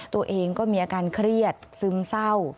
ตัวเองก็มีอาการเครียดซึมเศร้า